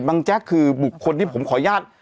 บังแจ็คคือบุคคลที่ผมขอญาติ